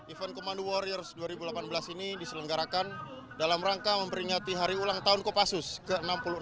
event komando warriors dua ribu delapan belas ini diselenggarakan dalam rangka memperingati hari ulang tahun kopassus ke enam puluh enam